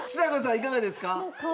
いかがですか？